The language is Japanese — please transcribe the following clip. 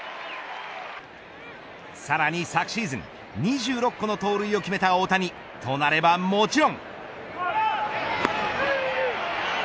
さらに昨シーズン２６個の盗塁を決めた大谷となれば、もちろん。